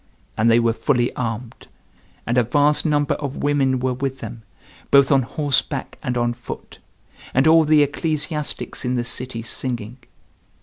And they were fully armed; and a vast number of women were with them, both on horseback and on foot, and all the ecclesiastics in the city singing.